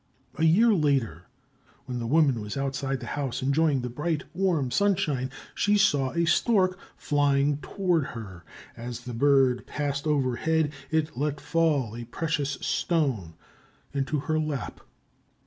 A year later, when the woman was outside the house enjoying the bright warm sunshine, she saw a stork flying toward her. As the bird passed over her head, it let fall a precious stone into her lap.